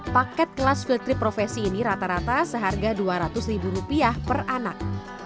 paket kelas field trip profesi ini rata rata seharga dua ratus ribu rupiah per anak